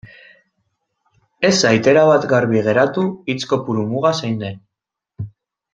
Ez zait erabat garbi geratu hitz kopuru muga zein den.